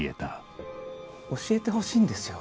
教えてほしいんですよ